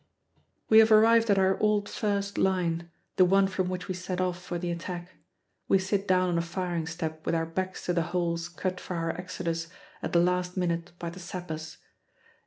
We have arrived at our old first line, the one from which we set off for the attack. We sit down on a firing step with our backs to the holes cut for our exodus at the last minute by the sappers.